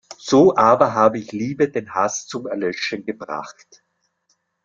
So aber habe Liebe den Hass zum Erlöschen gebracht.